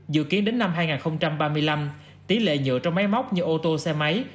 dự kiến đến năm hai nghìn ba mươi năm tỷ lệ nhựa trong máy móc như ô tô xe máy